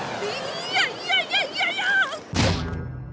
いーやいやいやいやいや！